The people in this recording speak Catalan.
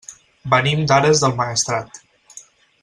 Venim d'Ares del Maestrat.